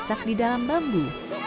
masak di dalam bambu